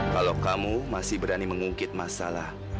kalau kamu masih berani mengungkit masalah